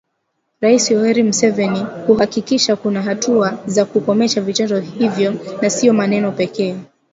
Rais Yoweri Museveni kuhakikisha kuna hatua za kukomesha vitendo hivyo na sio maneno pekee.